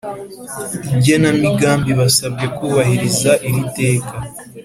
Igenamigambi basabwe kubahiriza iri teka